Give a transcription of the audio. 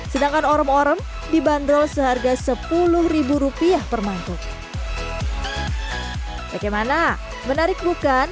sedangkan orem orem dibanderol seharga seratus rupiah